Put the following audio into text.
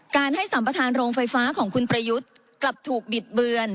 ให้สัมประธานโรงไฟฟ้าของคุณประยุทธ์กลับถูกบิดเบือน